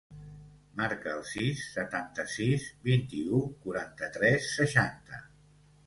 Marca el sis, setanta-sis, vint-i-u, quaranta-tres, seixanta.